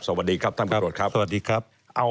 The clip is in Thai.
สวัสดีครับท่านผู้ตรวจครับ